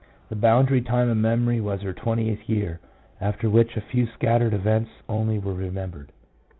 The boundary time of memory was her twentieth year, after which a few scattered events only were remembered.